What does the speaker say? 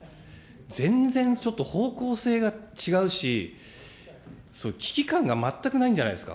全然、ちょっと方向性が違うし、その危機感が全くないんじゃないんですか。